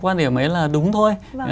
quan điểm ấy là đúng thôi